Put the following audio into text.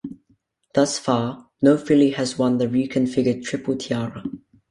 Thus far, no filly has won the reconfigured Triple Tiara.